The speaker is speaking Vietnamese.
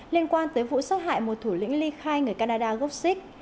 liên quan tới vụ sát hại một thủ lĩnh ly khai người canada gốc xích